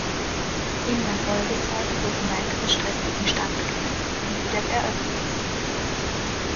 In der Folgezeit wurden weitere Strecken instand gesetzt und wieder eröffnet.